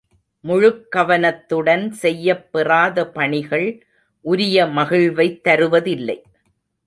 முழுக் கவனத்துடன் செய்யப் பெறாத பணிகள் உரிய மகிழ்வைத் தருவதில்லை.